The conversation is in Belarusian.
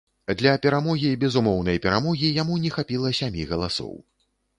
Для перамогі безумоўнай перамогі яму не хапіла сямі галасоў.